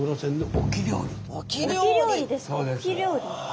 沖料理。